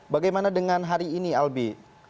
bagaimana dengan hari ini albi